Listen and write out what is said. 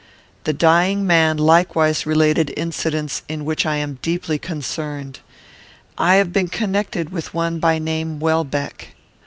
"The dying man likewise related incidents in which I am deeply concerned. I have been connected with one by name Welbeck.